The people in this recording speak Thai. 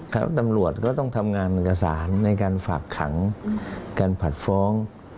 ตำรวจก็ต้องทำงานเอกสารในการฝากขังการผัดฟ้อง